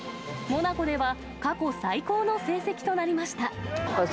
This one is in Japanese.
モナコでは過去最高の成績となりました。